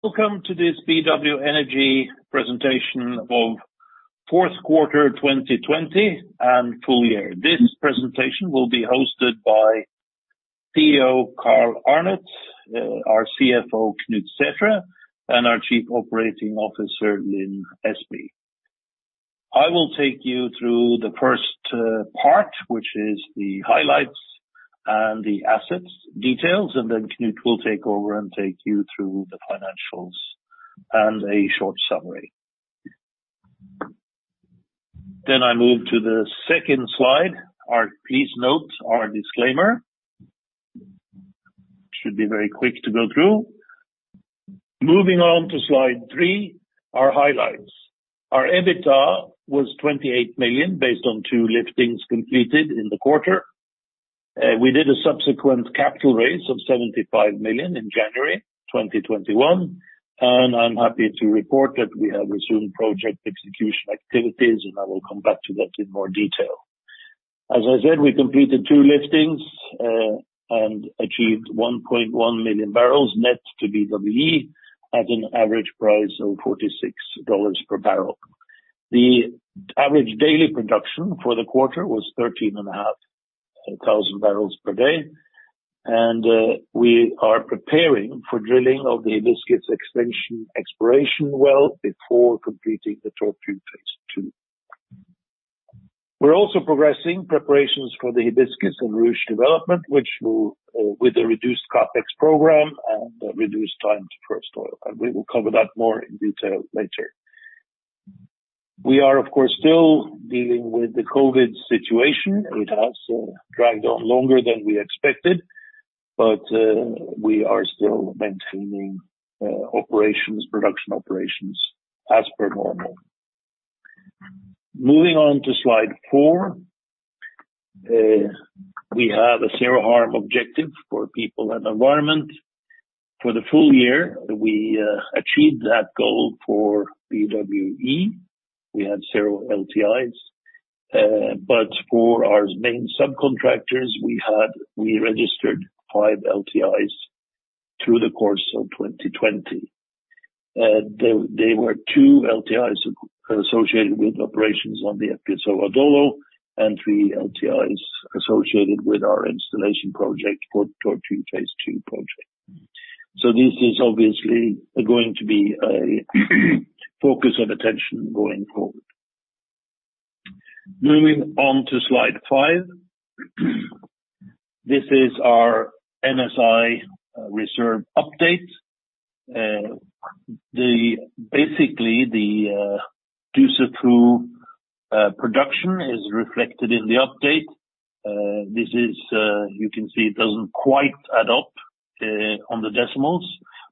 Welcome to this BW Energy presentation of fourth quarter 2020 and full year. This presentation will be hosted by CEO, Carl Arnet, our CFO, Knut Sæthre, and our Chief Operating Officer, Lin Espey. I will take you through the first part, which is the highlights and the assets details, and then Knut will take over and take you through the financials and a short summary. I move to the second slide. Please note our disclaimer. Should be very quick to go through. Moving on to slide three, our highlights. Our EBITDA was $28 million based on two liftings completed in the quarter. We did a subsequent capital raise of $75 million in January 2021, and I'm happy to report that we have resumed project execution activities, and I will come back to that in more detail. As I said, we completed two liftings, achieved 1.1 million barrels net to BWE at an average price of $46 per bbl. The average daily production for the quarter was 13,500 bpd. We are preparing for drilling of the Hibiscus extension exploration well before completing the Tortue phase 2. We are also progressing preparations for the Hibiscus and Ruche development, which will with a reduced CapEx program and reduced time to first oil. We will cover that more in detail later. We are, of course, still dealing with the COVID situation. It has dragged on longer than we expected, but we are still maintaining production operations as per normal. Moving on to slide four. We have a zero harm objective for people and environment. For the full year, we achieved that goal for BWE. We had zero LTIs. For our main subcontractors, we registered five LTIs through the course of 2020. There were two LTIs associated with operations on the FPSO Adolo and three LTIs associated with our installation project for Tortue phase 2 project. This is obviously going to be a focus of attention going forward. Moving on to slide five. This is our NSAI reserve update. Basically, the Dussafu production is reflected in the update. You can see it doesn't quite add up on the decimals,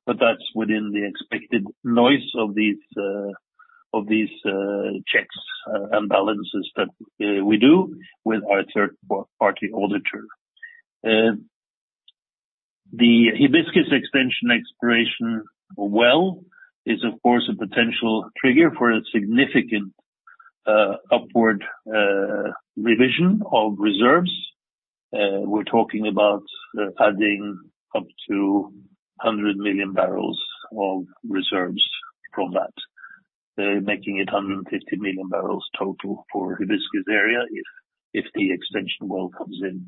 but that's within the expected noise of these checks and balances that we do with our third-party auditor. The Hibiscus extension exploration well is, of course, a potential trigger for a significant upward revision of reserves. We're talking about adding up to 100 million barrels of reserves from that, making it 150 million barrels total for Hibiscus area if the extension well comes in.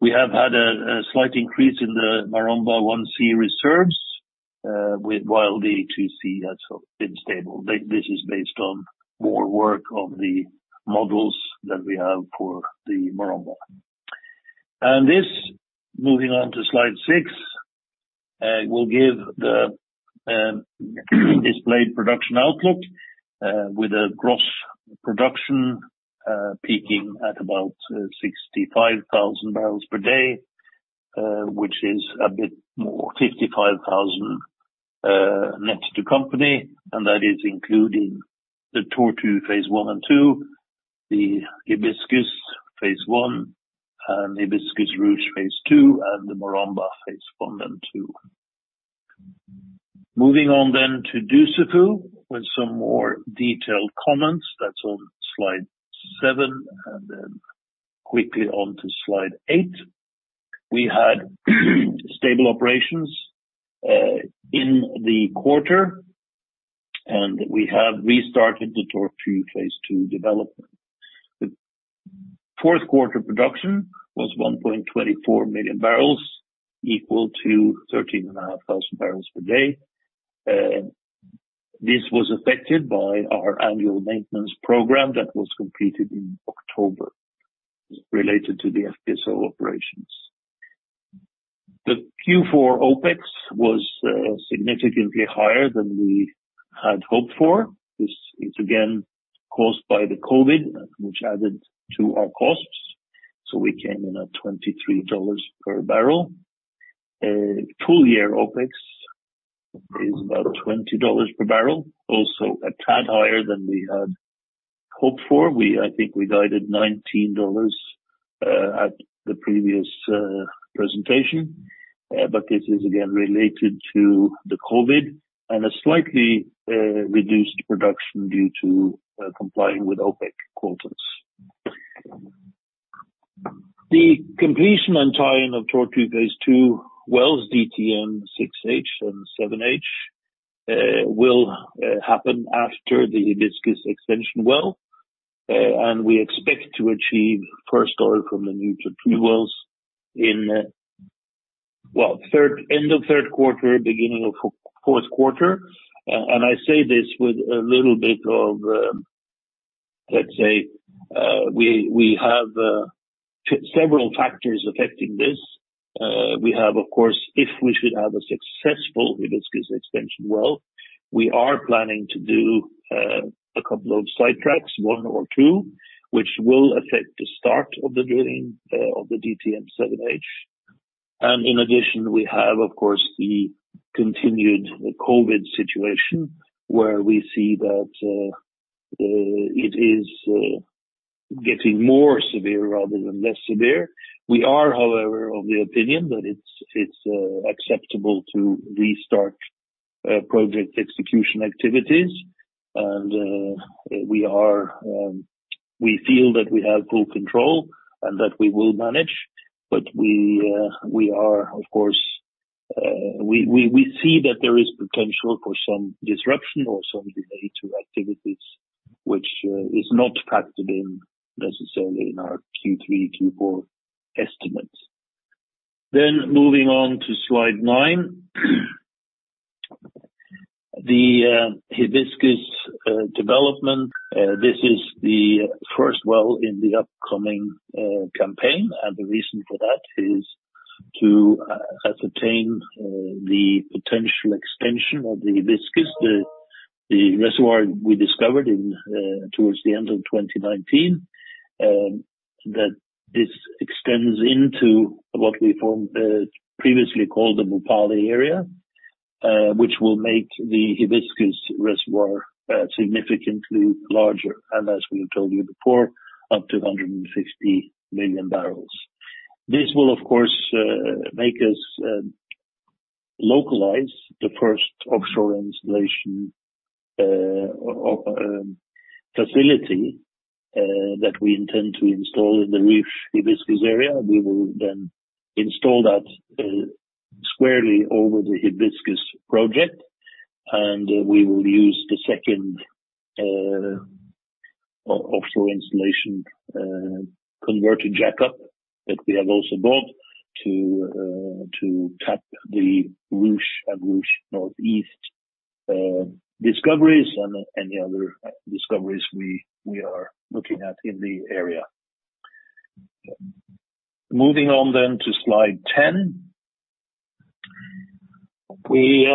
We have had a slight increase in the Maromba 1C reserves, while the 2C has been stable. This is based on more work of the models that we have for the Maromba. This, moving on to slide six, will give the displayed production outlook, with a gross production peaking at about 65,000 bbl per day, which is a bit more, 55,000 net to company, and that is including the Tortue phase 1 and 2, the Hibiscus phase 1, and Hibiscus Ruche phase 2, and the Maromba phase 1 and 2. Moving on to Dussafu with some more detailed comments. That's on slide seven, and then quickly on to slide eight. We had stable operations in the quarter, and we have restarted the Tortue phase 2 development. The fourth quarter production was 1.24 million barrels, equal to 13,500 bpd. This was affected by our annual maintenance program that was completed in October, related to the FPSO operations. The Q4 OpEx was significantly higher than we had hoped for. This is again caused by the COVID, which added to our costs. We came in at $23 per bbl. Full year OpEx is about $20 per bbl, also a tad higher than we had hoped for. I think we guided $19 at the previous presentation. This is again related to the COVID and a slightly reduced production due to complying with OPEC quotas. The completion and tie-in of Tortue phase 2 wells DTM-6H and 7H will happen after the Hibiscus extension well. We expect to achieve first oil from the new Tortue wells in end of third quarter, beginning of fourth quarter. I say this with a little bit of, we have several factors affecting this. We have, of course, if we should have a successful Hibiscus extension well, we are planning to do a couple of sidetracks, one or two, which will affect the start of the drilling of the DTM-7H. In addition, we have, of course, the continued COVID situation, where we see that it is getting more severe rather than less severe. We are, however, of the opinion that it's acceptable to restart project execution activities, and we feel that we have full control and that we will manage. We see that there is potential for some disruption or some delay to activities, which is not factored in necessarily in our Q3, Q4 estimates. Moving on to slide nine. The Hibiscus development, this is the first well in the upcoming campaign, and the reason for that is to ascertain the potential extension of the Hibiscus, the reservoir we discovered towards the end of 2019, that this extends into what we previously called the Mpale area, which will make the Hibiscus reservoir significantly larger, and as we have told you before, up to 160 million barrels. This will, of course, make us localize the first offshore installation facility that we intend to install in the Ruche Hibiscus area. We will install that squarely over the Hibiscus project, and we will use the second offshore installation converted jackup that we have also bought to tap the Ruche and Ruche Northeast discoveries and any other discoveries we are looking at in the area. Moving on to slide 10. We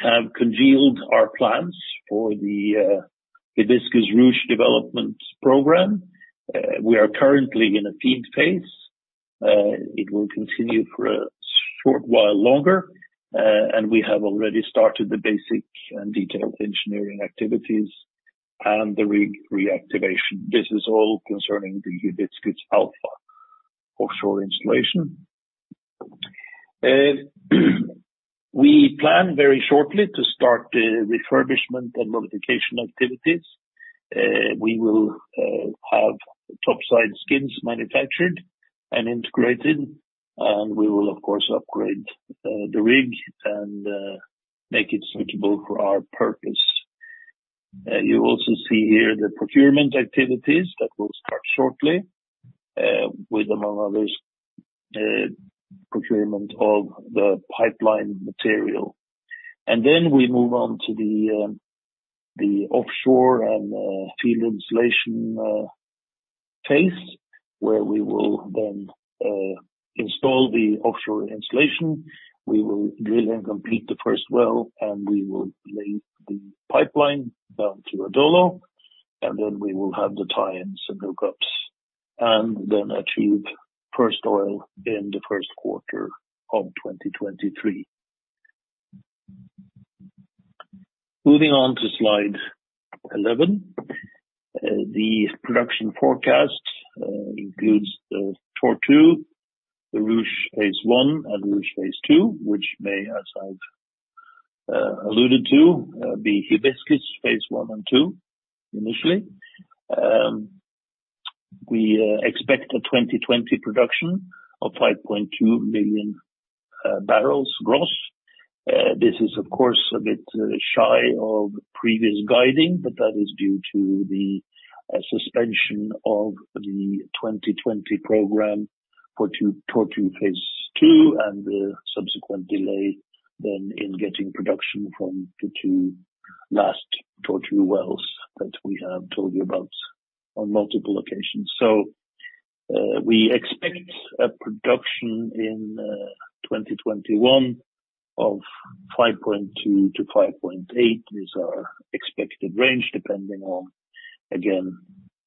have congealed our plans for the Hibiscus-Ruche development program. We are currently in a FEED phase. It will continue for a short while longer, and we have already started the basic and detailed engineering activities and the rig reactivation. This is all concerning the Hibiscus Alpha offshore installation. We plan very shortly to start the refurbishment and modification activities. We will have topside skins manufactured and integrated, and we will, of course, upgrade the rig and make it suitable for our purpose. You also see here the procurement activities that will start shortly, with, among others, procurement of the pipeline material. Then we move on to the offshore and field installation phase, where we will then install the offshore installation. We will drill and complete the first well, and we will lay the pipeline down to Adolo, and then we will have the tie-ins and hookups, and then achieve first oil in the first quarter of 2023. Moving on to slide 11. The production forecast includes the Tortue, the Ruche phase 1 and Ruche phase 2, which may, as I've alluded to, be Hibiscus phase 1 phase 2 initially. We expect a 2020 production of 5.2 million barrels gross. This is, of course, a bit shy of previous guiding, but that is due to the suspension of the 2020 program, Tortue phase 2 and the subsequent delay then in getting production from the two last Tortue wells that we have told you about on multiple occasions. We expect a production in 2021 of 5.2-5.8 million barrels is our expected range, depending on, again,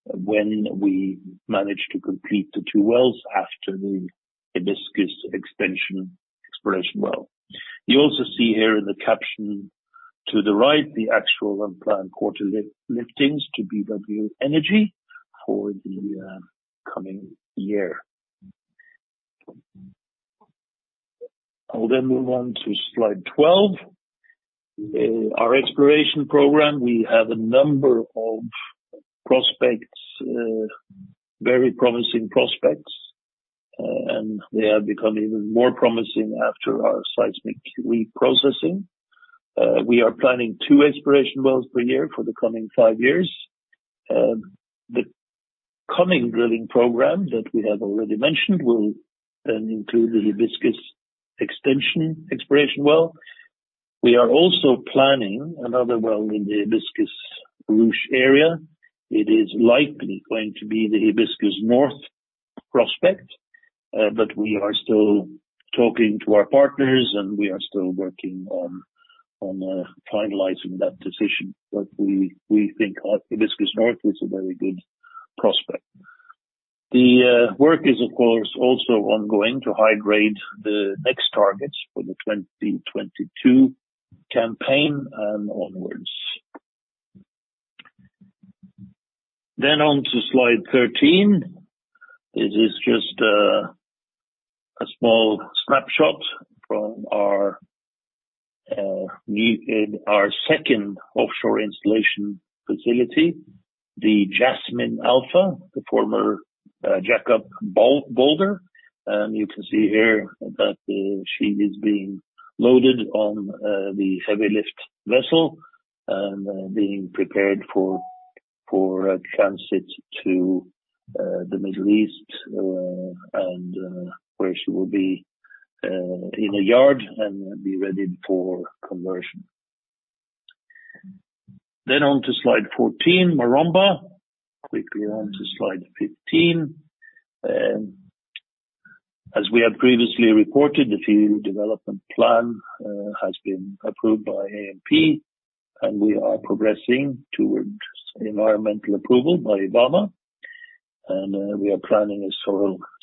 when we manage to complete the two wells after the Hibiscus extension exploration well. You also see here in the caption to the right, the actual and planned quarterly liftings to BW Energy for the coming year. I will then move on to slide 12. Our exploration program, we have a number of very promising prospects, and they have become even more promising after our seismic reprocessing. We are planning two exploration wells per year for the coming five years. The coming drilling program that we have already mentioned will then include the Hibiscus extension exploration well. We are also planning another well in the Hibiscus-Ruche area. It is likely going to be the Hibiscus North prospect, but we are still talking to our partners, and we are still working on finalizing that decision. We think Hibiscus North is a very good prospect. The work is, of course, also ongoing to high-grade the next targets for the 2022 campaign and onwards. On to slide 13. This is just a small snapshot from our second offshore installation facility, the Jasmin Alpha, the former jackup Balder. You can see here that the ship is being loaded on the heavy-lift vessel and being prepared for transit to the Middle East, where she will be in a yard and be readied for conversion. On to slide 14, Maromba. Quickly on to slide 15. As we have previously reported, the field development plan has been approved by ANP. We are progressing towards environmental approval by IBAMA. We are planning a social survey,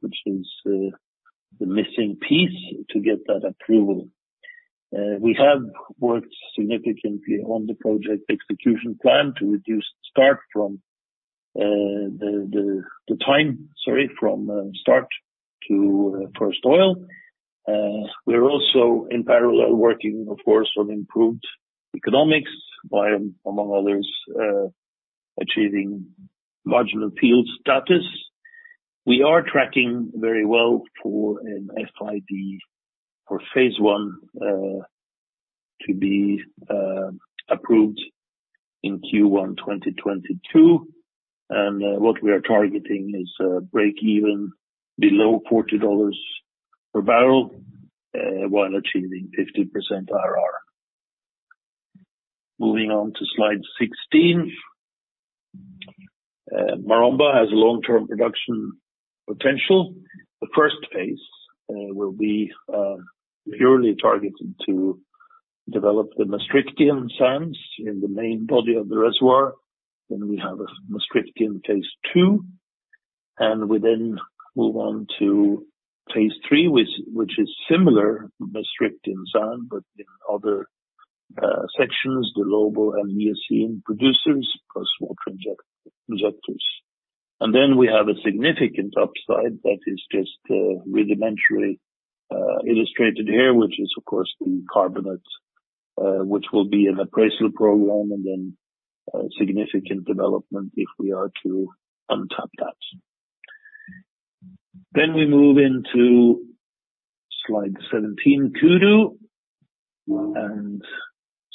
which is the missing piece to get that approval. We have worked significantly on the project execution plan to reduce the time from start to first oil. We are also in parallel working, of course, on improved economics by, among others, achieving marginal field status. We are tracking very well for an FID for phase 1 to be approved in Q1 2022. What we are targeting is breakeven below $40 per bbl while achieving 50% IRR. Moving on to slide 16. Maromba has long-term production potential. The first phase will be purely targeted to develop the Maastrichtian sands in the main body of the reservoir. We then have a Maastrichtian phase 2, and we then move on to phase 3, which is similar Maastrichtian sand, but in other sections, the Lobo and Eocene producers plus more trajectories. We then have a significant upside that is just rudimentary illustrated here, which is, of course, the carbonate, which will be an appraisal program and then significant development if we are to untap that. We then move into slide 17, Kudu, and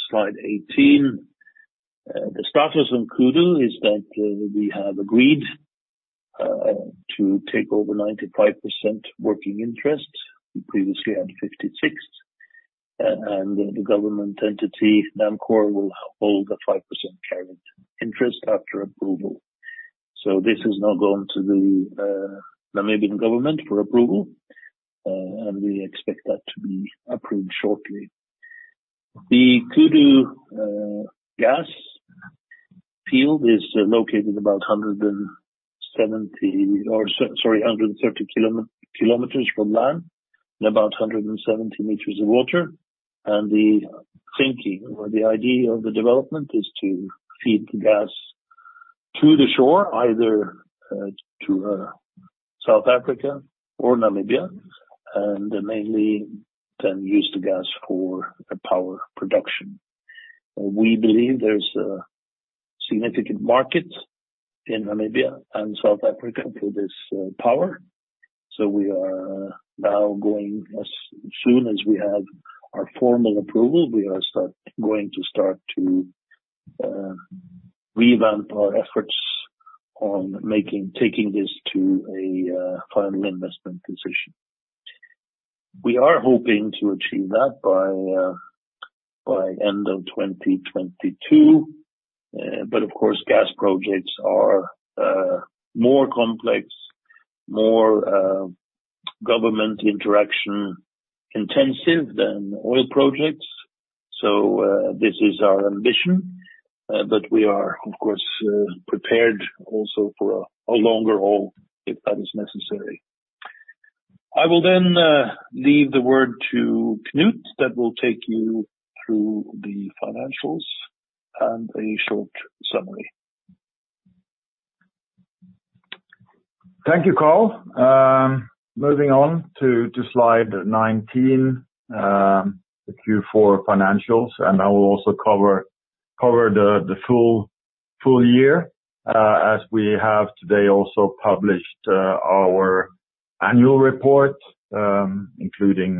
slide 18. The status on Kudu is that we have agreed to take over 95% working interest. We previously had 56, and the government entity, NAMCOR, will hold a 5% carrying interest after approval. This has now gone to the Namibian government for approval, and we expect that to be approved shortly. The Kudu gas field is located about 130 km from land and about 170 m of water. The thinking or the idea of the development is to feed gas to the shore, either to South Africa or Namibia, and mainly then use the gas for power production. We believe there's a significant market in Namibia and South Africa for this power. We are now going, as soon as we have our formal approval, we are going to start to revamp our efforts on taking this to a final investment position. We are hoping to achieve that by end of 2022. Of course, gas projects are more complex, more government interaction intensive than oil projects. This is our ambition. We are, of course, prepared also for a longer haul if that is necessary. I will then leave the word to Knut, that will take you through the financials and a short summary. Thank you, Carl. Moving on to slide 19, the Q4 financials, and I will also cover the full year, as we have today also published our annual report including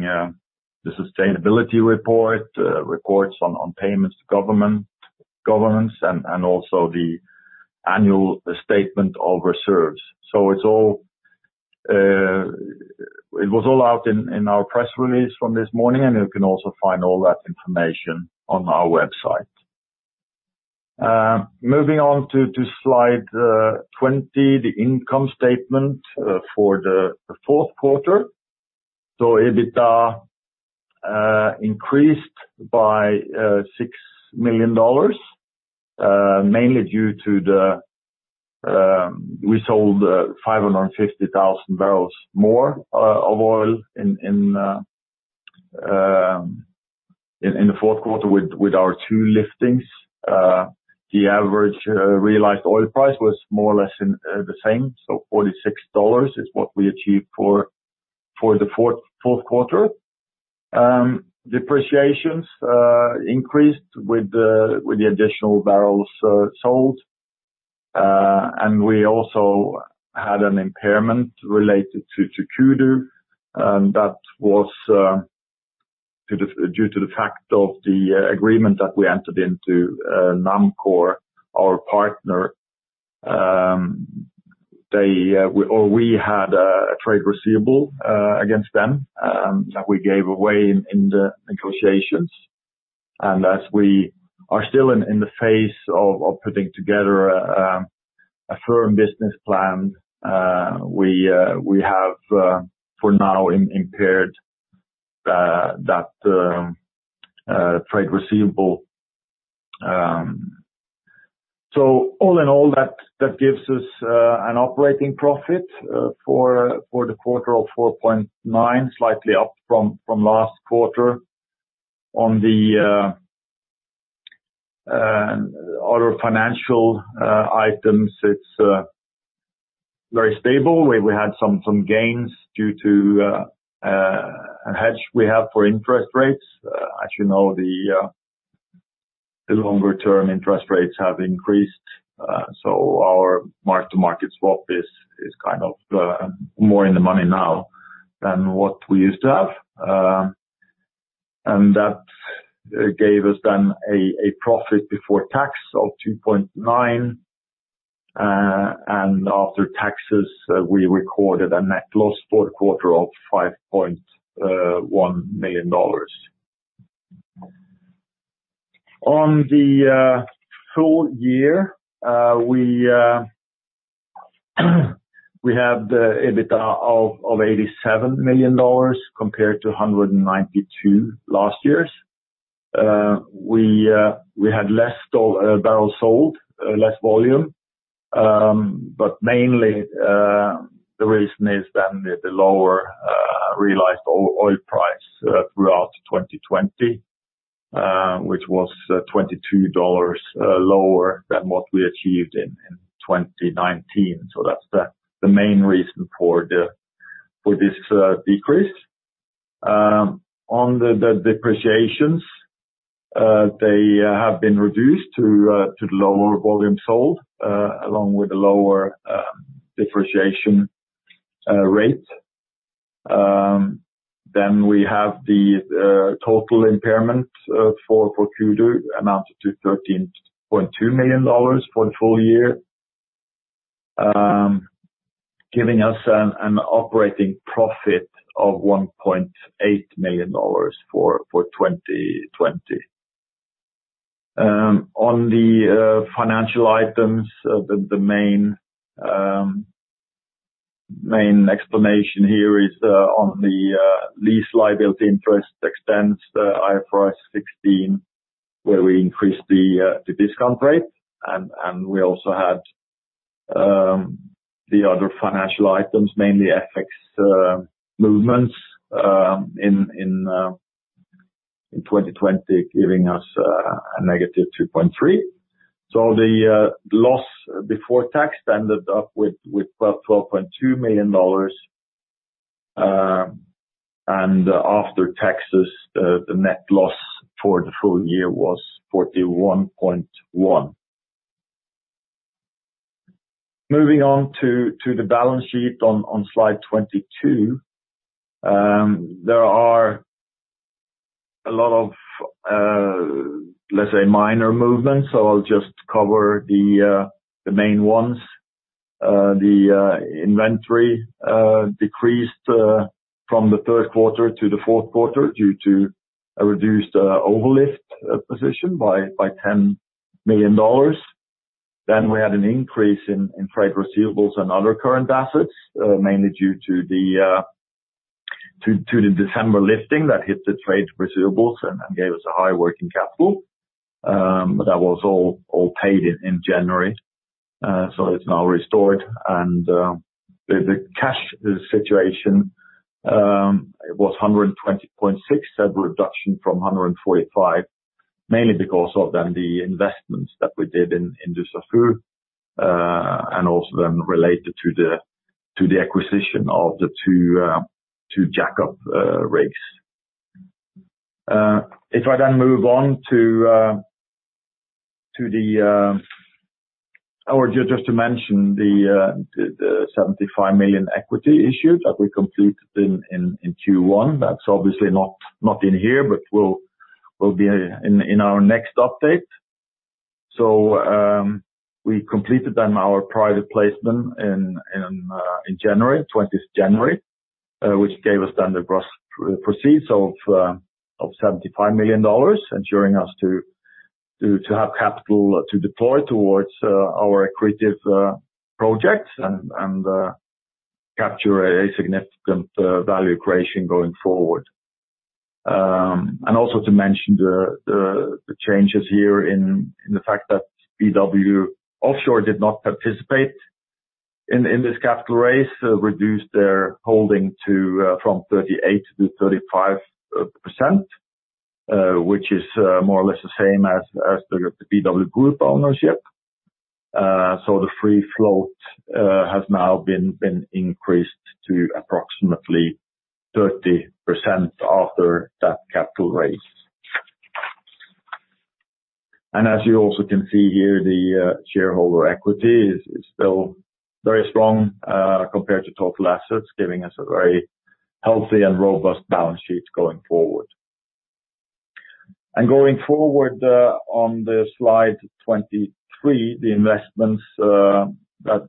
the sustainability report, reports on payments to governance, and also the annual statement of reserves. It was all out in our press release from this morning, and you can also find all that information on our website. Moving on to slide 20, the income statement for the fourth quarter. EBITDA increased by $6 million, mainly due to We sold 550,000 bbl more of oil in the fourth quarter with our two liftings. The average realized oil price was more or less the same, so $46 is what we achieved for the fourth quarter. Depreciations increased with the additional barrels sold. We also had an impairment related to Kudu, and that was due to the fact of the agreement that we entered into NAMCOR, our partner. We had a trade receivable against them that we gave away in the negotiations. As we are still in the phase of putting together a firm business plan, we have for now impaired that trade receivable. All in all, that gives us an operating profit for the quarter of $4.9, slightly up from last quarter. On the other financial items, it's very stable. We had some gains due to a hedge we have for interest rates. As you know, the longer-term interest rates have increased, so our mark-to-market swap is more in the money now than what we used to have. That gave us then a profit before tax of $2.9 million, and after taxes, we recorded a net loss for the quarter of $5.1 million. On the full year, we had the EBITDA of $87 million compared to $192 last year's. We had less barrels sold, less volume. Mainly, the reason is then the lower realized oil price throughout 2020, which was $22 lower than what we achieved in 2019. That's the main reason for this decrease. On the depreciations, they have been reduced due to the lower volume sold, along with the lower depreciation rate. We have the total impairment for Kudu amounted to $13.2 million for the full year, giving us an operating profit of $1.8 million for 2020. The financial items, the main explanation here is on the lease liability interest expense, the IFRS 16, where we increased the discount rate, and we also had the other financial items, mainly FX movements in 2020, giving us a -$2.3 million. The loss before tax ended up with $12.2 million, and after taxes, the net loss for the full year was $41.1 million. Moving on to the balance sheet on slide 22. There are a lot of, let's say, minor movements, I'll just cover the main ones. The inventory decreased from the third quarter to the fourth quarter due to a reduced overlift position by $10 million. We had an increase in trade receivables and other current assets, mainly due to the December lifting that hit the trade receivables and gave us a high working capital. That was all paid in January, it's now restored. The cash situation was $120.6 million. Mainly because of the investments that we did in Dussafu, and also related to the acquisition of the two jackup rigs. Just to mention the $75 million equity issue that we completed in Q1. That's obviously not in here, but will be in our next update. We completed our private placement in January 20th, which gave us the gross proceeds of $75 million, ensuring us to have capital to deploy towards our accretive projects and capture a significant value creation going forward. Also to mention the changes here in the fact that BW Offshore did not participate in this capital raise, reduced their holding from 38%-35%, which is more or less the same as the BW Group ownership. The free float has now been increased to approximately 30% after that capital raise. As you also can see here, the shareholder equity is still very strong compared to total assets, giving us a very healthy and robust balance sheet going forward. Going forward on the slide 23, the investments that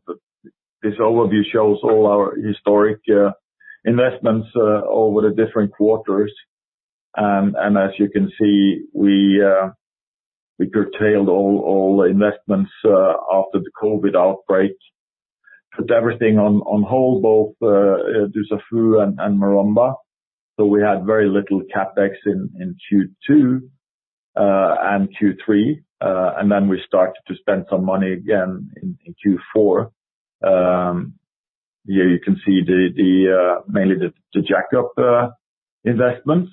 this overview shows all our historic investments over the different quarters. As you can see, we curtailed all investments after the COVID outbreak. Put everything on hold, both Dussafu and Maromba. We had very little CapEx in Q2 and Q3. Then we started to spend some money again in Q4. Here you can see mainly the jackup investments.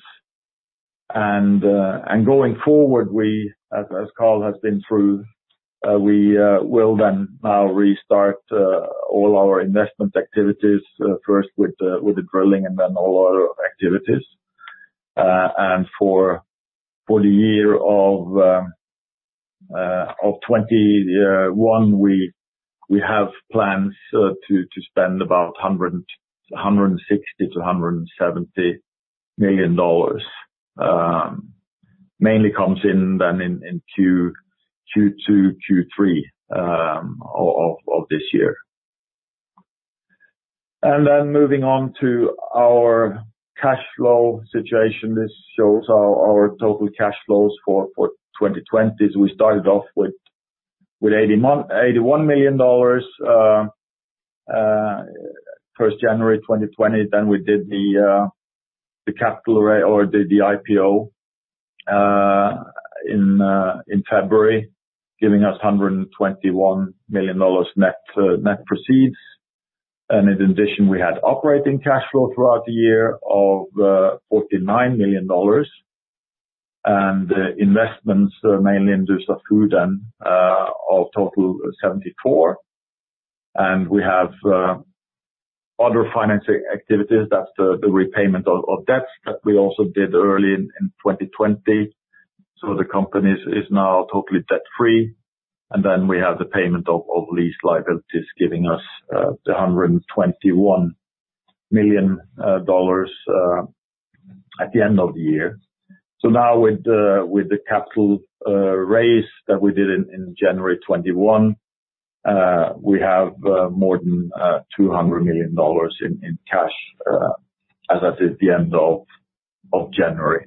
Going forward, as Carl has been through, we will then now restart all our investment activities, first with the drilling and then all our activities. For the year of 2021, we have plans to spend about $160 million-$170 million, mainly coming in Q2, Q3 of this year. Moving on to our cash flow situation. This shows our total cash flows for 2020. We started off with $81 million, January 2020. We did the capital raise or the IPO in February, giving us $121 million net proceeds. In addition, we had operating cash flow throughout the year of $49 million. Investments, mainly in Dussafu, then totaled $74 million. We have other financing activities, that's the repayment of debts that we also did early in 2020. The company is now totally debt-free. We have the payment of lease liabilities giving us the $121 million at the end of the year. Now with the capital raise that we did in January 2021, we have more than $200 million in cash as at the end of January.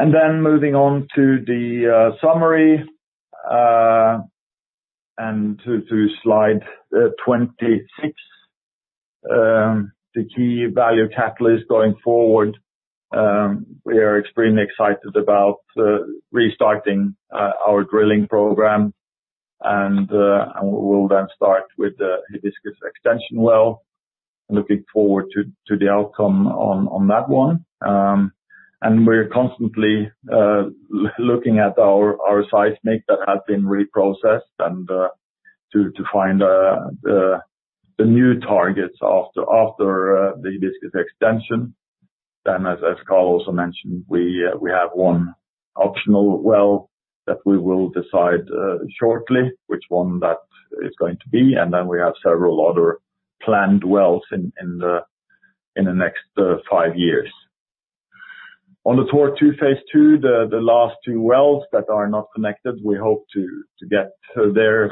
Moving on to the summary, to slide 26. The key value catalysts going forward. We are extremely excited about restarting our drilling program, and we will then start with the Hibiscus extension well. Looking forward to the outcome on that one. We're constantly looking at our seismic that has been reprocessed and to find the new targets after the Hibiscus extension. As Carl also mentioned, we have one optional well that we will decide shortly which one that is going to be, and then we have several other planned wells in the next five years. On the Tortue phase 2, the last two wells that are not connected, we hope to get there.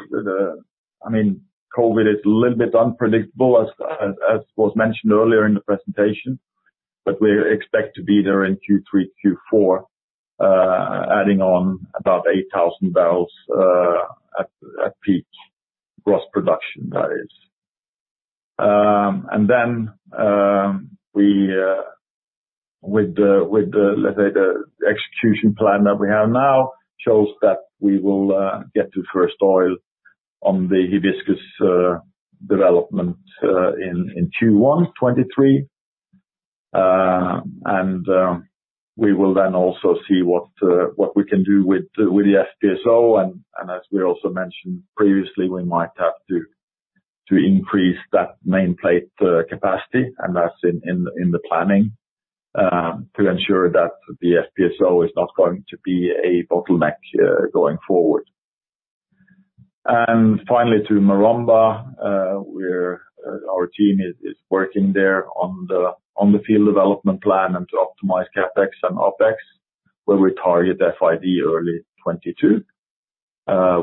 COVID is a little bit unpredictable as was mentioned earlier in the presentation, but we expect to be there in Q3, Q4 adding on about 8,000 bbl at peak gross production, that is. Then with the, let's say, the execution plan that we have now, shows that we will get to first oil on the Hibiscus development in Q1 2023. We will then also see what we can do with the FPSO and as we also mentioned previously, we might have to increase that nameplate capacity, and that's in the planning, to ensure that the FPSO is not going to be a bottleneck going forward. Finally, to Maromba, our team is working there on the field development plan and to optimize CapEx and OpEx, where we target FID early 2022,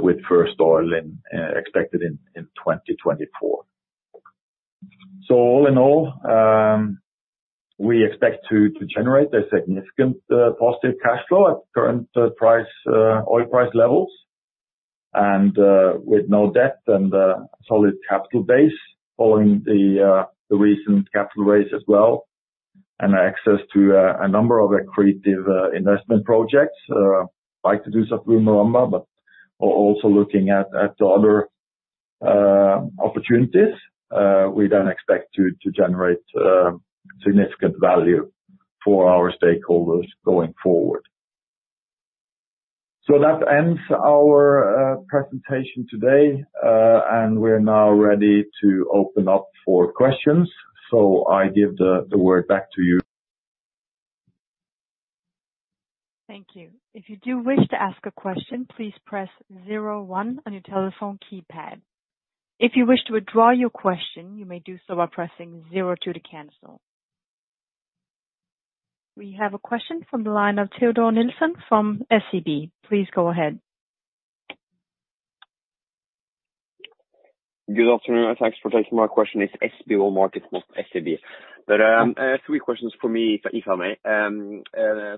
with first oil expected in 2024. All in all, we expect to generate a significant positive cash flow at current oil price levels. With no debt and a solid capital base following the recent capital raise as well, and access to a number of accretive investment projects, like to do some Maromba, but also looking at other opportunities, we then expect to generate significant value for our stakeholders going forward. That ends our presentation today, and we're now ready to open up for questions. I give the word back to you. Thank you. We have a question from the line of Teodor Nilsen from SB1 Markets. Please go ahead. Good afternoon, thanks for taking my question. It's SB1 Markets, not SEB. I have three questions for me, if I may.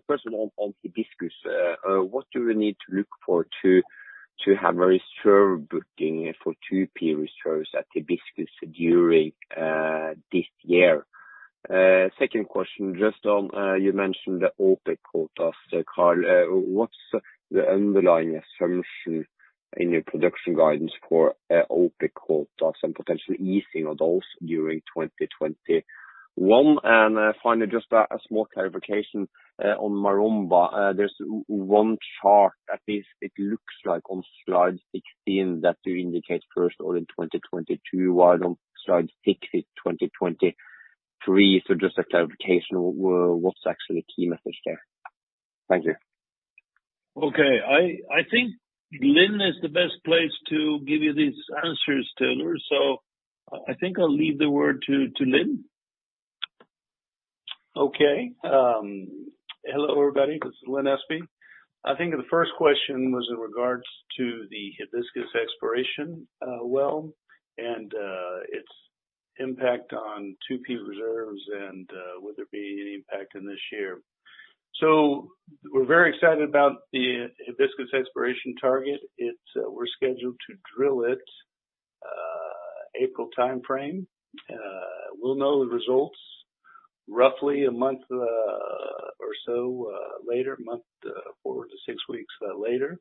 First of all, on Hibiscus, what do we need to look for to have very sure booking for 2P reserves at Hibiscus during this year? Second question, just on, you mentioned the OPEC quotas, Carl Arnet. What's the underlying assumption in your production guidance for OPEC quotas and potential easing of those during 2021? Finally, just a small clarification on Maromba. There's one chart, at least it looks like on slide 16, that indicates first oil in 2022. Why on slide 60, 2020? Just a clarification, what's actually key message there? Thank you. Okay. I think Lin is the best place to give you these answers, Teodor. I think I'll leave the word to Lin. Okay. Hello, everybody. This is Lin Espey. I think the first question was in regards to the Hibiscus exploration well, and its impact on 2P reserves and would there be any impact in this year. We're very excited about the Hibiscus exploration target. We're scheduled to drill it, April timeframe. We'll know the results roughly a month or so later, a month forward to six weeks later.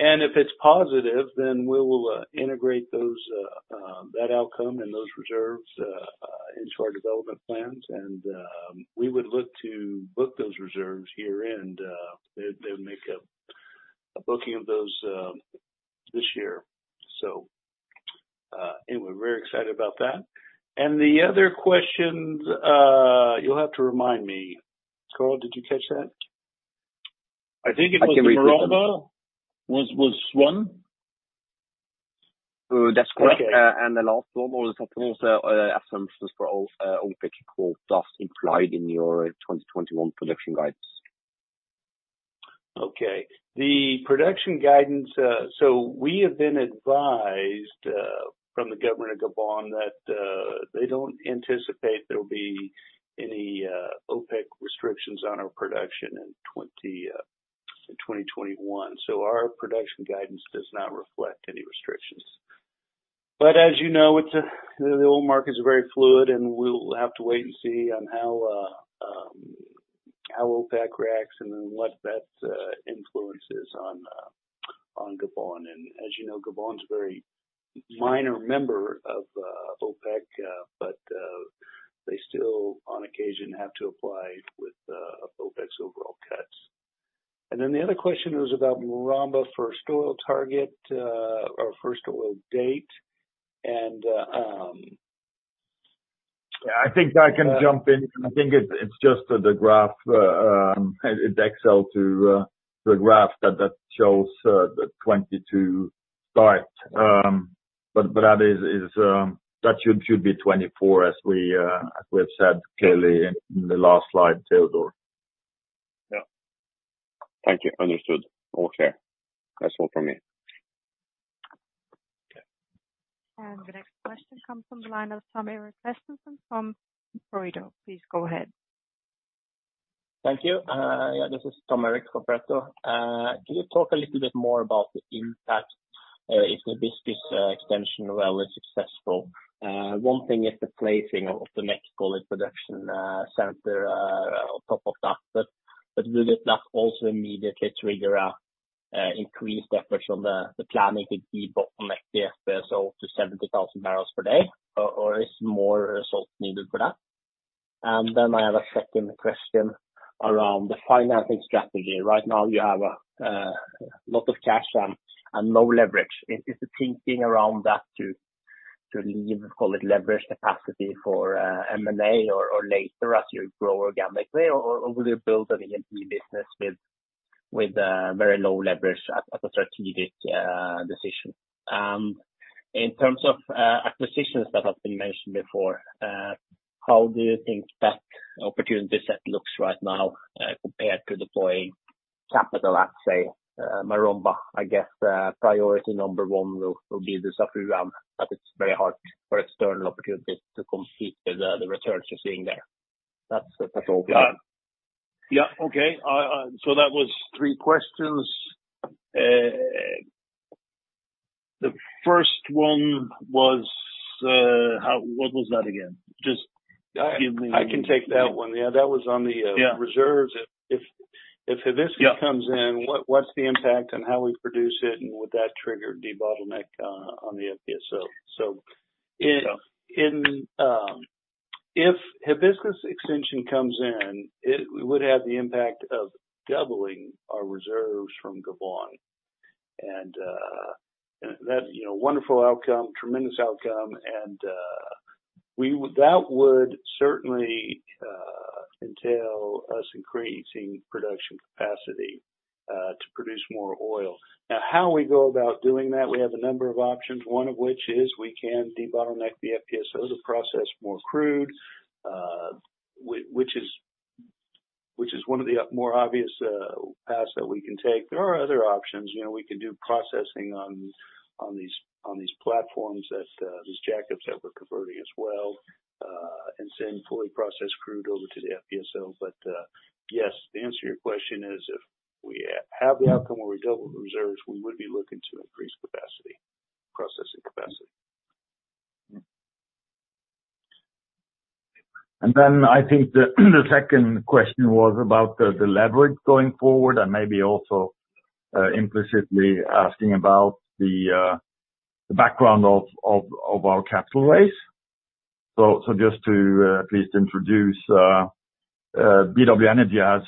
If it's positive, then we will integrate that outcome and those reserves into our development plans. We would look to book those reserves year-end. They would make a booking of those this year. We're very excited about that. The other questions, you'll have to remind me. Carl, did you catch that? I think it was Maromba, was one. That's correct. Okay. The last one was also assumptions for OPEC quotas implied in your 2021 production guidance. Okay. The production guidance. We have been advised from the government of Gabon that they don't anticipate there will be any OPEC restrictions on our production in 2021. Our production guidance does not reflect any restrictions. As you know, the oil market is very fluid, and we'll have to wait and see on how OPEC reacts and then what that influence is on Gabon. As you know, Gabon is a very minor member of OPEC, but they still, on occasion, have to apply with OPEC's overall cuts. The other question was about Maromba first oil target or first oil date. I think I can jump in. I think it's just the graph, it excel to the graph that shows the 2022 start. That should be 2024 as we have said clearly in the last slide, Teodor. Yeah. Thank you. Understood. All clear. That's all from me. The next question comes from the line of Tom Erik Kristiansen from Pareto. Please go ahead. Thank you. Yeah, this is Tom Erik from Pareto. Can you talk a little bit more about the impact if the Hibiscus extension well is successful? One thing is the placing of the next oil production center on top of that. Will that also immediately trigger an increased effort from the planning to debottleneck the FPSO to 70,000 bpd? Is more result needed for that? Then I have a second question around the financing strategy. Right now, you have a lot of cash and low leverage. Is the thinking around that to leave, call it leverage capacity for M&A or later as you grow organically, or will you build an E&P business with very low leverage as a strategic decision? In terms of acquisitions that have been mentioned before, how do you think that opportunity set looks right now compared to deploying capital at, say, Maromba? I guess priority number one will be the Dussafu, but it's very hard for external opportunities to compete with the returns you're seeing there. That's all. Yeah. Okay. That was three questions. The first one was. What was that again? Just give me. I can take that one. Yeah, that was on the reserves. Yeah If Hibiscus comes in, what's the impact on how we produce it, and would that trigger debottleneck on the FPSO? Yeah if Hibiscus extension comes in, it would have the impact of doubling our reserves from Gabon. That, wonderful outcome, tremendous outcome, and that would certainly entail us increasing production capacity to produce more oil. Now, how we go about doing that, we have a number of options, one of which is we can debottleneck the FPSO to process more crude, which is one of the more obvious paths that we can take. There are other options. We can do processing on these platforms, these jackups that we're converting as well, and send fully processed crude over to the FPSO. Yes, the answer to your question is, if we have the outcome where we double the reserves, we would be looking to increase capacity, processing capacity. I think the second question was about the leverage going forward, and maybe also implicitly asking about the background of our capital raise. Just to at least introduce, BW Energy has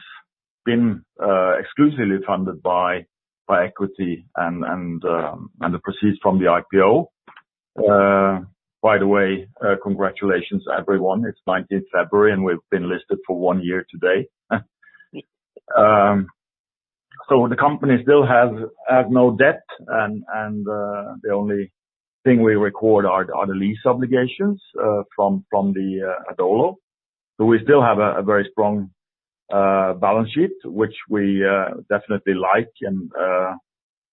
been exclusively funded by equity and the proceeds from the IPO. By the way, congratulations, everyone. It's 19th February, and we've been listed for one year today. The company still has no debt, and the only thing we record are the lease obligations from the Adolo. We still have a very strong balance sheet, which we definitely like.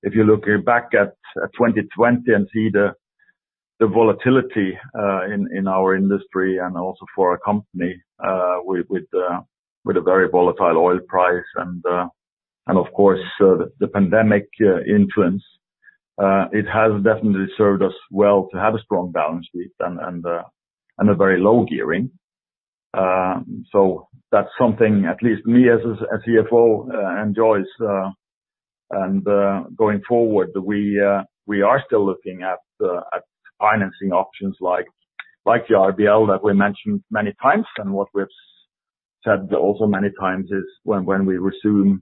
If you look back at 2020 and see the volatility in our industry and also for our company with a very volatile oil price and of course, the pandemic influence, it has definitely served us well to have a strong balance sheet and a very low gearing. That's something at least me, as CFO, enjoys. Going forward, we are still looking at financing options like the RBL that we mentioned many times. What we've said also many times is when we resume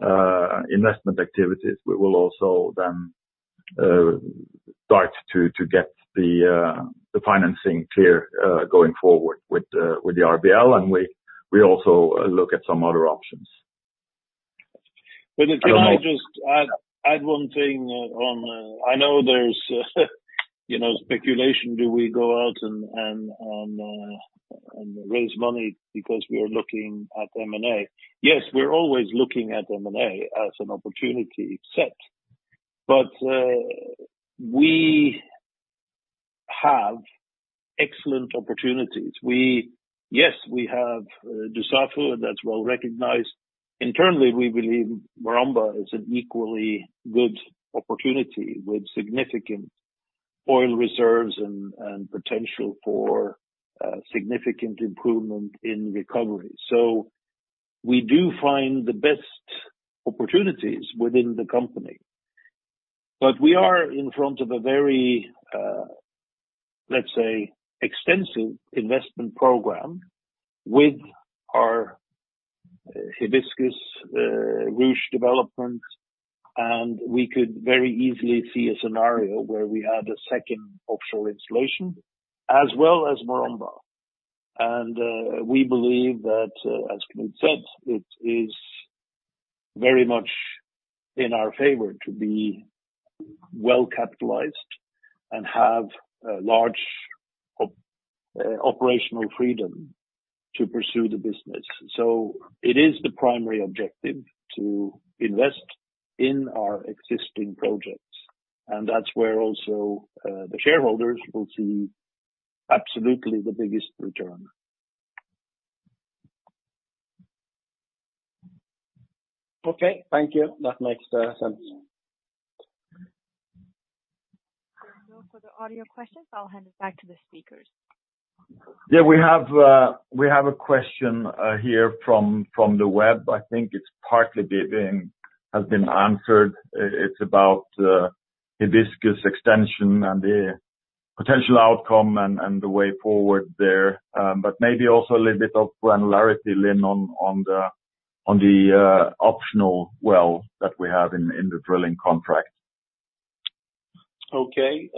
investment activities, we will also then start to get the financing clear going forward with the RBL, and we also look at some other options. Can I just add one thing on I know there's speculation. Do we go out and raise money because we are looking at M&A? Yes, we're always looking at M&A as an opportunity set. We have excellent opportunities. Yes, we have Dussafu that's well-recognized. Internally, we believe Maromba is an equally good opportunity with significant oil reserves and potential for significant improvement in recovery. We do find the best opportunities within the company. We are in front of a very, let's say, extensive investment program with our Hibiscus Ruche development, and we could very easily see a scenario where we had a second offshore installation as well as Maromba. We believe that, as Knut said, it is very much in our favor to be well-capitalized and have large operational freedom to pursue the business. It is the primary objective to invest in our existing projects, and that's where also the shareholders will see absolutely the biggest return. Okay. Thank you. That makes sense. All your questions, I'll hand it back to the speakers. Yeah, we have a question here from the web. I think it partly has been answered. It's about Hibiscus extension and the potential outcome and the way forward there. Maybe also a little bit of granularity, Lin, on the optional well that we have in the drilling contract. Okay.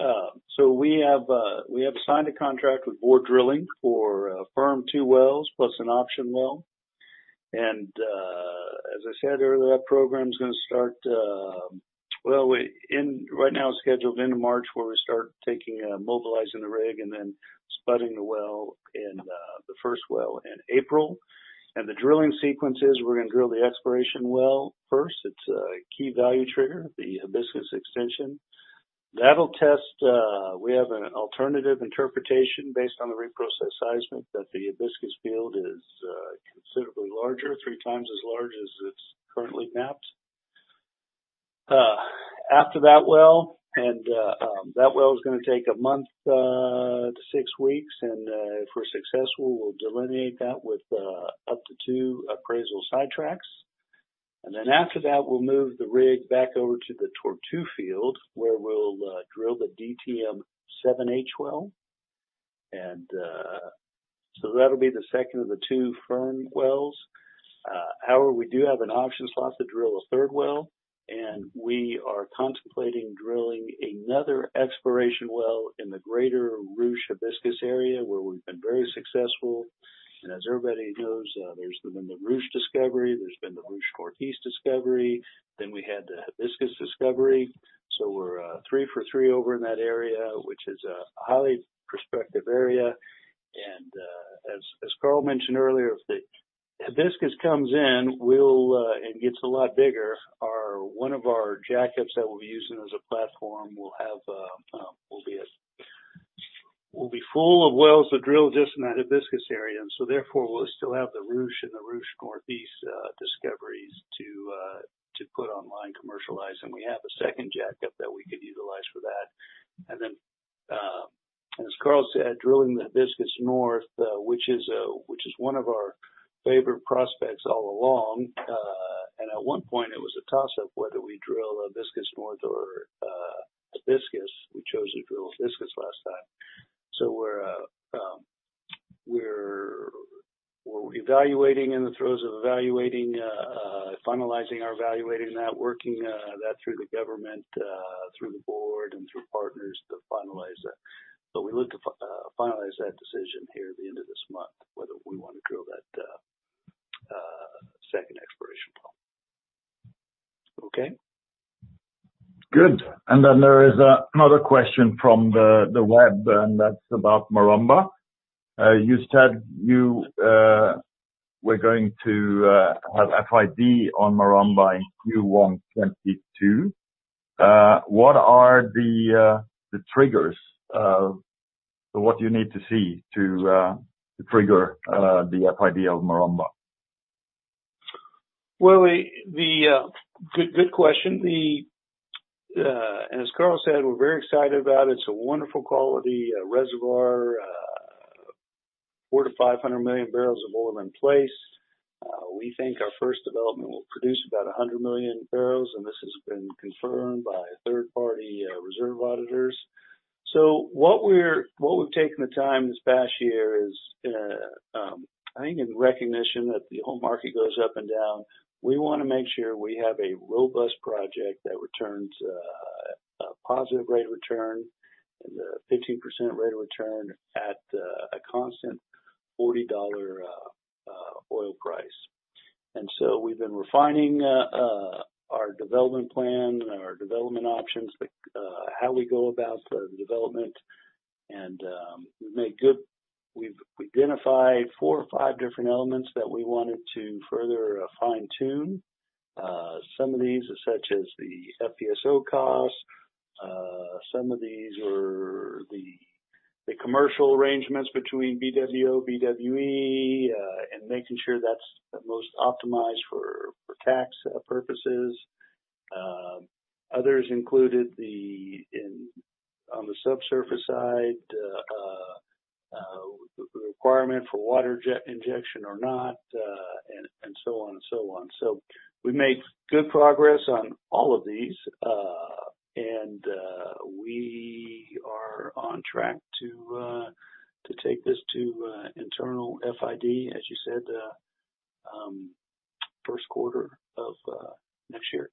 We have signed a contract with Borr Drilling for firm two wells plus an option well. As I said earlier, that program is going to start Well, right now, it's scheduled into March, where we start mobilizing the rig and then spudding the well, the first well, in April. The drilling sequence is we're going to drill the exploration well first. It's a key value trigger, the Hibiscus extension. We have an alternative interpretation based on the reprocessed seismic that the Hibiscus field is considerably larger, three times as large as it's currently mapped. After that well, that well is going to take a month to six weeks, and if we're successful, we'll delineate that with up to two appraisal sidetracks. After that, we'll move the rig back over to the Tortue field, where we'll drill the DTM-7H well. That'll be the second of the two firm wells. We do have an option slot to drill a third well, and we are contemplating drilling another exploration well in the greater Ruche Hibiscus area where we've been very successful. As everybody knows, there's been the Ruche discovery, there's been the Ruche Northeast discovery, we had the Hibiscus discovery. We're three for three over in that area, which is a highly prospective area. As Carl mentioned earlier, if the Hibiscus comes in and gets a lot bigger, one of our jackups that we'll be using as a platform will be full of wells we drill just in that Hibiscus area. Therefore, we'll still have the Ruche and the Ruche Northeast discoveries to put online commercialize, and we have a second jackup that we could utilize for that. As Carl said, drilling the Hibiscus North, which is one of our favorite prospects all along. At one point it was a toss-up whether we drill Hibiscus North or Hibiscus. We chose to drill Hibiscus last time. We're in the throes of evaluating, finalizing our evaluating that, working that through the government, through the board, and through partners to finalize that. We look to finalize that decision here at the end of this month, whether we want to drill that second exploration well. Okay. Good. There is another question from the web, and that's about Maromba. You said you were going to have FID on Maromba in Q1 2022. What are the triggers? What do you need to see to trigger the FID of Maromba? Good question. As Carl said, we're very excited about it. It's a wonderful quality reservoir, 400-500 million barrels of oil in place. We think our first development will produce about 100 million barrels, and this has been confirmed by third-party reserve auditors. What we've taken the time this past year is, I think in recognition that the whole market goes up and down, we want to make sure we have a robust project that returns a positive rate of return and a 15% rate of return at a constant $40 oil price. We've been refining our development plan, our development options, how we go about the development, and we've identified four or five different elements that we wanted to further fine-tune. Some of these are such as the FPSO cost. Some of these are the commercial arrangements between BWO, BWE, and making sure that's the most optimized for tax purposes. Others included on the subsurface side, the requirement for water jet injection or not, and so on and so on. We made good progress on all of these. We are on track to take this to internal FID, as you said, first quarter of next year.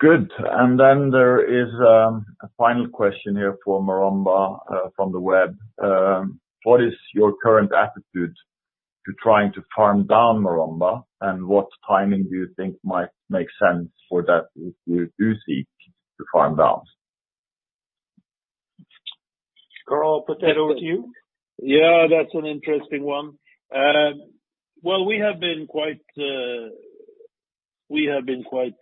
Good. There is a final question here for Maromba from the web. What is your current attitude to trying to farm down Maromba, and what timing do you think might make sense for that if you do seek to farm down? Carl, I'll put that over to you. Yeah, that's an interesting one. Well, we have been quite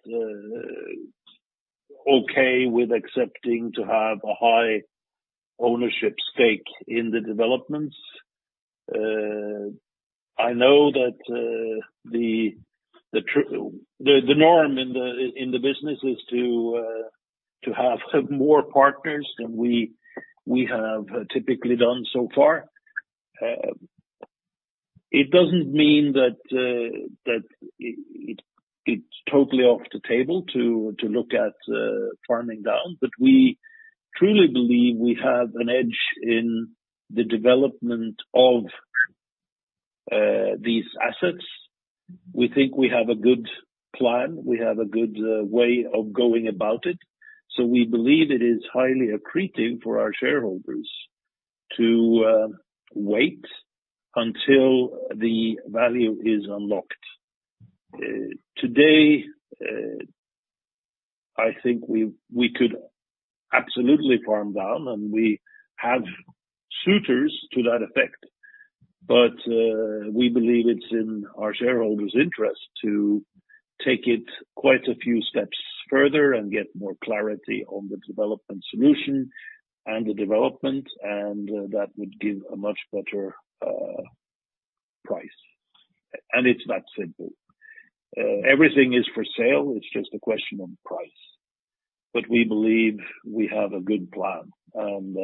okay with accepting to have a high ownership stake in the developments. I know that the norm in the business is to have more partners than we have typically done so far. It doesn't mean that it's totally off the table to look at farming down. We truly believe we have an edge in the development of these assets. We think we have a good plan, we have a good way of going about it. We believe it is highly accretive for our shareholders to wait until the value is unlocked. Today, I think we could absolutely farm down, and we have suitors to that effect. We believe it's in our shareholders' interest to take it quite a few steps further and get more clarity on the development solution and the development, and that would give a much better price. It's that simple. Everything is for sale. It's just a question of price. We believe we have a good plan and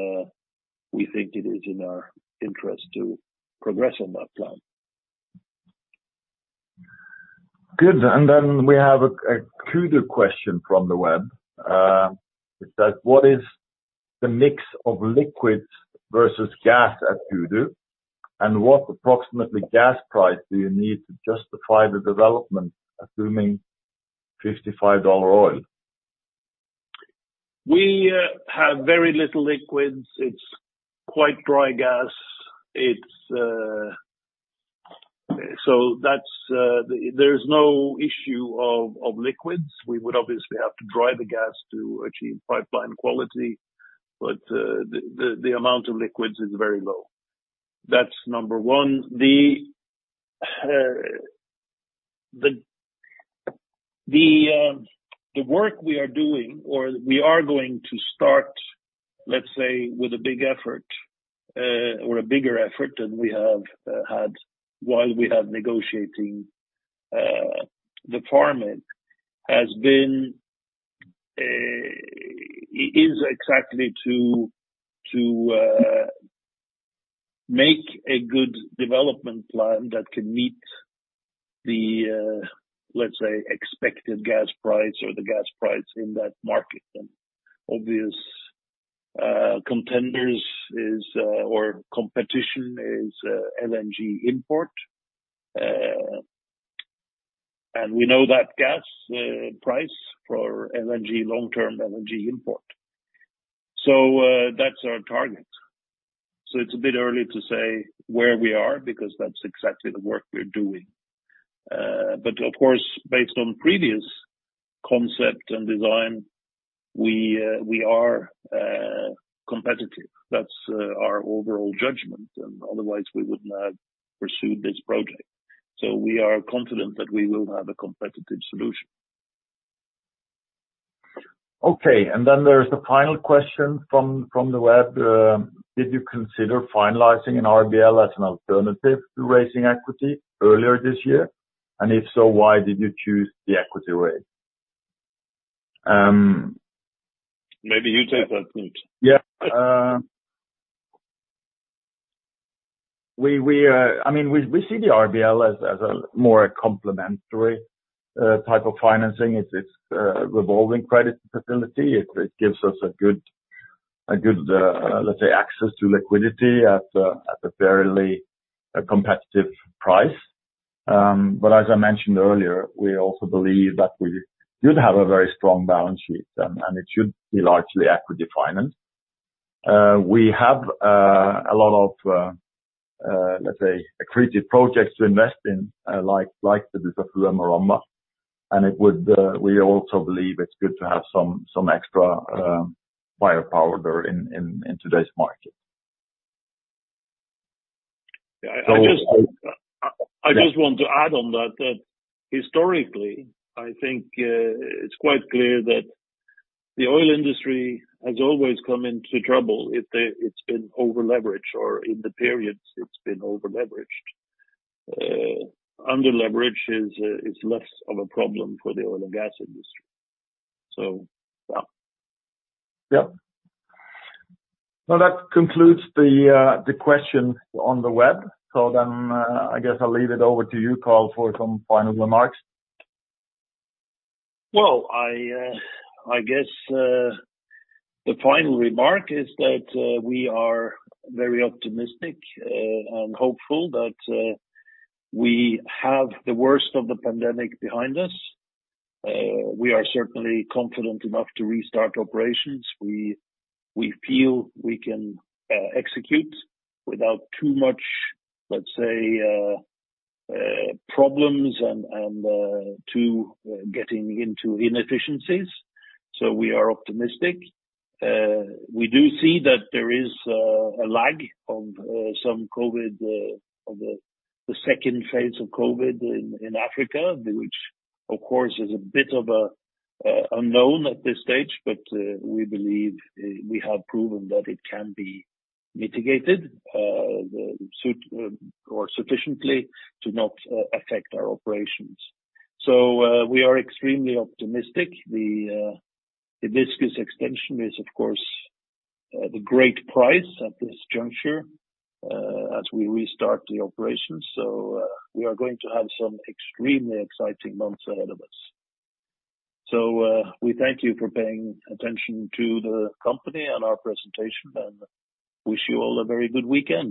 we think it is in our interest to progress on that plan. Good. We have a Kudu question from the web. It says, "What is the mix of liquids versus gas at Kudu? And what approximately gas price do you need to justify the development, assuming $55 oil? We have very little liquids. It's quite dry gas. There's no issue of liquids. We would obviously have to dry the gas to achieve pipeline quality. The amount of liquids is very low. That's number one. The work we are doing, or we are going to start, let's say, with a big effort or a bigger effort than we have had while we have negotiating the farm-in, is exactly to make a good development plan that can meet the, let's say, expected gas price or the gas price in that market. Obvious contenders or competition is LNG import. We know that gas price for long-term LNG import. That's our target. It's a bit early to say where we are because that's exactly the work we're doing. Of course, based on previous concept and design, we are competitive. That's our overall judgment, and otherwise, we would not have pursued this project. We are confident that we will have a competitive solution. Okay. Then there's the final question from the web. Did you consider finalizing an RBL as an alternative to raising equity earlier this year? If so, why did you choose the equity way? Maybe you take that, Knut. Yeah. We see the RBL as a more complementary type of financing. It's a revolving credit facility. It gives us a good, let's say, access to liquidity at a fairly competitive price. As I mentioned earlier, we also believe that we do have a very strong balance sheet, and it should be largely equity finance. We have a lot of, let's say, accretive projects to invest in, like the Hibiscus, Ruche and Maromba, and we also believe it's good to have some extra firepower there in today's market. I just want to add on that historically, I think it's quite clear that the oil industry has always come into trouble if it's been over-leveraged or in the periods it's been over-leveraged. Under-leverage is less of a problem for the oil and gas industry. Yeah. That concludes the questions on the web. I guess I'll leave it over to you, Carl, for some final remarks. I guess the final remark is that we are very optimistic and hopeful that we have the worst of the pandemic behind us. We are certainly confident enough to restart operations. We feel we can execute without too much, let's say, problems and too getting into inefficiencies. We are optimistic. We do see that there is a lag of some COVID, of the second phase of COVID in Africa, which, of course, is a bit of unknown at this stage, but we believe we have proven that it can be mitigated sufficiently to not affect our operations. We are extremely optimistic. The Hibiscus extension is, of course, the great price at this juncture as we restart the operation. We are going to have some extremely exciting months ahead of us. We thank you for paying attention to the company and our presentation, and wish you all a very good weekend.